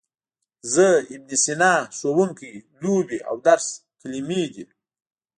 زه، ابن سینا، ښوونکی، لوبې او درس کلمې دي.